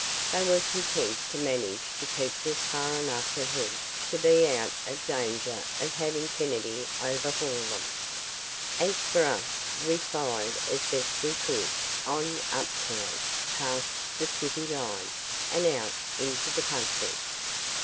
They were content to manage to keep just far enough ahead to be out of danger of having Kennedy overhaul them. As for us, we followed as best we could, on uptown, past the city line, and out into the country.